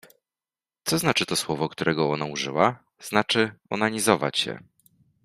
— Co znaczy to słowo, którego ona użyła? — Znaczy: onanizować się.